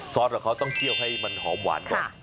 ซอสกับเขาต้องเคี่ยวให้มันหอมหวานก่อน